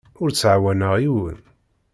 Ur ttɛawaneɣ yiwen.